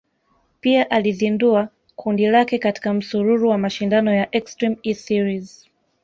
Pia alizindua kundi lake katika msururu wa mashindano ya Extreme E series